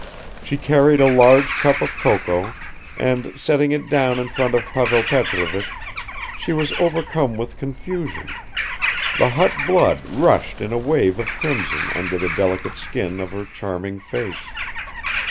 She carried a large cup of cocoa and setting it down in front of Pavel Petrovich, she was overcome with confusion; the hot blood rushed in a wave of crimson under the delicate skin of her charming face.